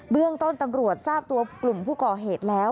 เรื่องต้นตำรวจทราบตัวกลุ่มผู้ก่อเหตุแล้ว